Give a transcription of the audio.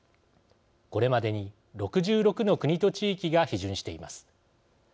これまでに６６の国と地域が批准しています。